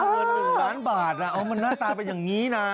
เงิน๑ล้านบาทมันหน้าตาเป็นอย่างนี้นะ